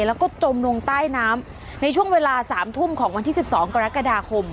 แล้วก็จมลงใต้น้ำในช่วงเวลา๓ทุ่มของวันที่๑๒กรกฎาคม